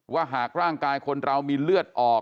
หากร่างกายคนเรามีเลือดออก